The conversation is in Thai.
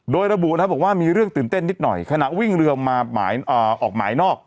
โดยระบุนะครับบอกว่ามีเรื่องตื่นเต้นนิดหน่อยขณะวิ่งเรือมาออกหมายนอก